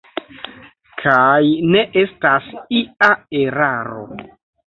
Kaj ne estas ia eraro.